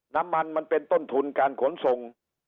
น้ำมันมันเป็นต้นทุนการขนส่ง